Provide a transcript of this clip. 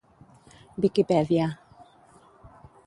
Viquipèdia.